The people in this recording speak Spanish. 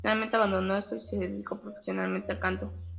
Finalmente, abandonó estos y se dedicó profesionalmente al canto.